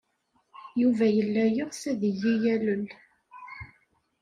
Yuba yella yeɣs ad iyi-yalel.